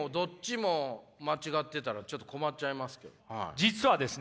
実はですね